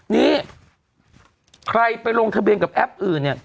นี่ใครไปลงทะเบียนกับแอปอื่นเนี่ย